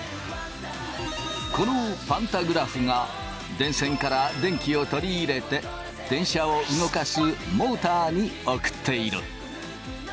このパンタグラフが電線から電気を取り入れて電車を動かすモーターに送っている。